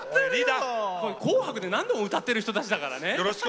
「紅白」で何度も歌ってる人たちだからね。